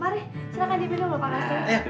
mari silahkan dipinum lho pak kusin